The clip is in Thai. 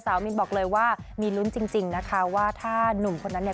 มินบอกเลยว่ามีลุ้นจริงนะคะว่าถ้านุ่มคนนั้นเนี่ย